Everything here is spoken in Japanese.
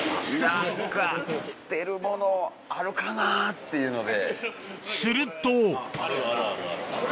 捨てるものあるかな？っていうので。